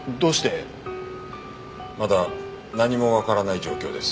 まだ何もわからない状況です。